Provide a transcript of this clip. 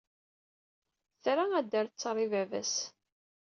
Tra ad d-terr ttaṛ i baba-s.